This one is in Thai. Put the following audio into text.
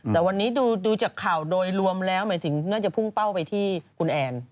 แต่วันนี้ดูจากข่าวโดยรวมแล้วหมายถึงน่าจะพุ่งเป้าไปที่คุณแอน